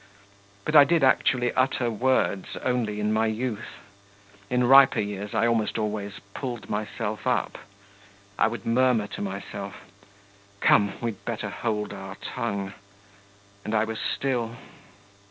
But I did actually utter words only in my youth; in riper years I almost always pulled myself up. I would murmur to myself: 'Come, we'd better hold our tongue.' And I was still.